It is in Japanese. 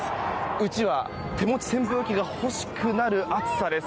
うちわ、手持ち扇風機が欲しくなる暑さです。